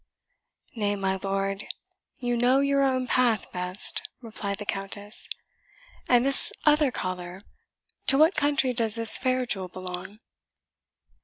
"Nay, my lord, you know your own path best," replied the Countess. "And this other collar, to what country does this fair jewel belong?"